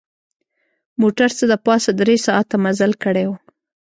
موټر څه د پاسه درې ساعته مزل کړی و.